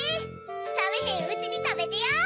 さめへんうちにたべてや！